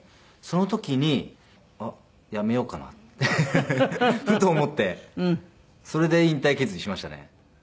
その時にあっやめようかなってふと思ってそれで引退決意しましたね。